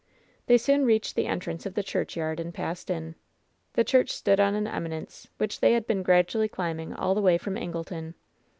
They soon reached the entrance of the churchyard and passed in. The church stood on an eminence, which they had been gradually climbing all the way from Angleton.